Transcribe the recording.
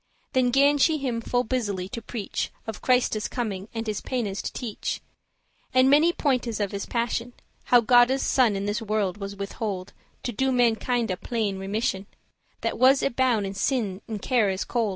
Then gan she him full busily to preach Of Christe's coming, and his paines teach, And many pointes of his passion; How Godde's Son in this world was withhold* *employed To do mankinde plein* remission, *full That was y bound in sin and cares cold.